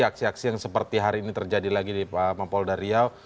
aksi aksi yang seperti hari ini terjadi lagi di pempol dari yaw